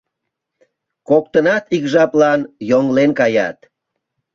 ...Коктынат ик жаплан йоҥлен каят...